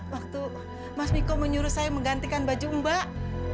waktu mas miko menyuruh saya menggantikan baju mbak